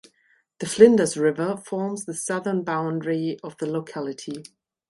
The Flinders River forms the southern boundary of the locality.